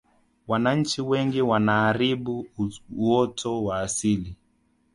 wananchi wengi wanaharibu uoto wa asili